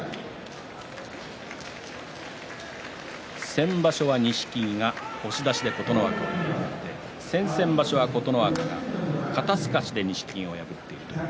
先場所は錦木が押し出しで琴ノ若を破って先々場所は琴ノ若が肩すかしで錦木を破っています。